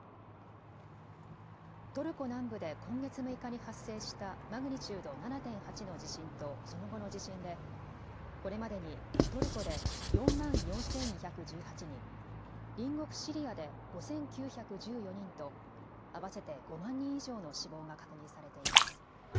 トルコ南部で今月６日に発生したマグニチュード７．８の地震とその後の地震でこれまでにトルコで４万４２１８人、隣国シリアで５９１４人と合わせて５万人以上の死亡が確認されています。